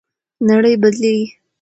نړۍ بدلیږي.